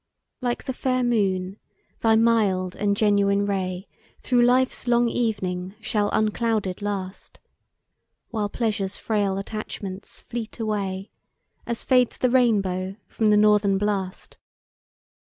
Like the fair moon, thy mild and genuine ray Through life's long evening shall unclouded last; While pleasure's frail attachments fleet away, As fades the rainbow from the northern blast!